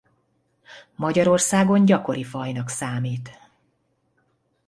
Magyarországon gyakori fajnak számít.